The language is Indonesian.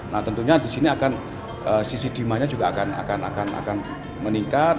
nah tentunya di sini akan sisi demandnya juga akan meningkat